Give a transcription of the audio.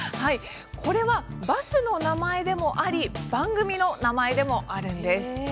これはバスの名前でもあり番組の名前でもあるんです。